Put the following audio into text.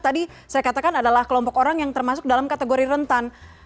tadi saya katakan adalah kelompok orang yang termasuk dalam kategori rentan